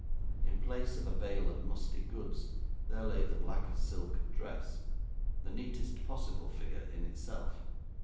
In place of a bale of musty goods, there lay the black silk dress: the neatest possible figure in itself.